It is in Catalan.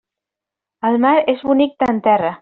El mar és bonic d'en terra.